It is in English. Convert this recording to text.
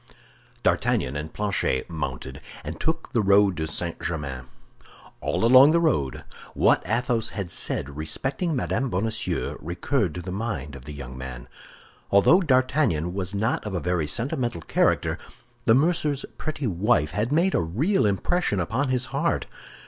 D'Artagnan and Planchet mounted, and took the road to St. Germain. All along the road, what Athos had said respecting Mme. Bonacieux recurred to the mind of the young man. Although D'Artagnan was not of a very sentimental character, the mercer's pretty wife had made a real impression upon his heart.